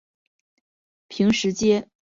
坪石街是二战时期中山大学临时所在地。